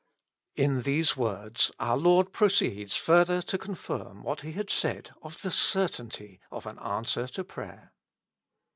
IN these words our Lord proceeds further to con firm what He had said of the certainty of an answer to prayer.